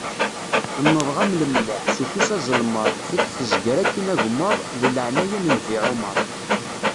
Nnḍeɣ-am lemlaḥ, s ufus aẓelmaḍ, tiṭ tezger akkin agemmaḍ, deg laɛnaya n nnbi Ɛumar.